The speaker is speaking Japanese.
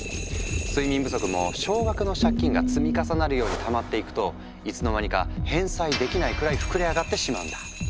睡眠不足も少額の借金が積み重なるようにたまっていくといつの間にか返済できないくらい膨れ上がってしまうんだ。